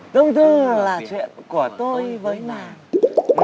tôm thư là chuyện của tôi với nàng